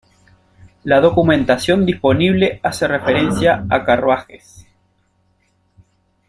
La documentación disponible hace referencia a carruajes.